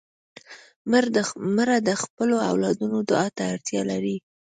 مړه د خپلو اولادونو دعا ته اړتیا لري